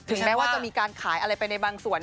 แม้ว่าจะมีการขายอะไรไปในบางส่วน